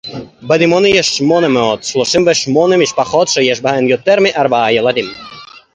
בדימונה יש שמונה מאות שלושים ושמונה משפחות שיש בהן יותר מארבעה ילדים